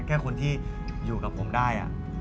แค่คนที่อยู่กับผมได้